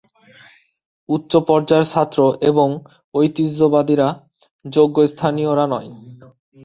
উচ্চ পর্যায়ের ছাত্র এবং ঐতিহ্যবাদীরা যোগ্য; স্থানীয়রা নয়।